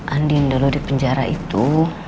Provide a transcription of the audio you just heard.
andin dulu di penjara itu